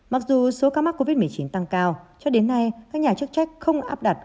mặc dù số ca mắc covid một mươi chín tăng cao cho đến nay các nhà chức trách không áp đặt